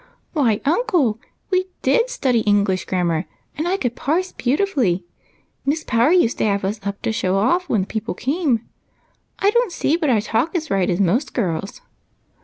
" Why, uncle, we did study English grammar, and I could jDarse beautifully. Miss Power used to have us up to show off when people came. I don't see but I talk as right as most girls."